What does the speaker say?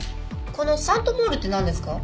この「サントモール」ってなんですか？